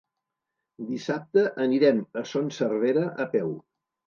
Dissabte anirem a Son Servera a peu.